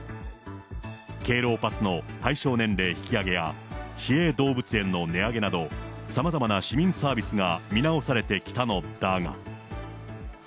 敬老パスの対象年齢引き上げや市営動物園の値上げなど、さまざまな市民サービスが見直されてきたのだが。